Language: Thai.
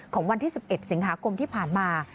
ของวันที่๑๑สิงหาคมที่ผ่านมา